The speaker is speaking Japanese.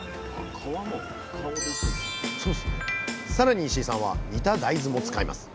さらに石井さんは煮た大豆も使います。